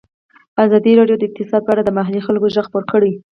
ازادي راډیو د اقتصاد په اړه د محلي خلکو غږ خپور کړی.